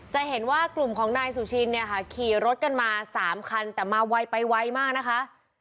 จะเห็นว่ากลุ่มของนายสุชินเนี่ยค่ะขี่รถกันมา๓คันแต่มาไวไปไวมากนะคะ